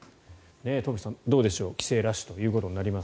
トンフィさん、どうでしょう帰省ラッシュということになります。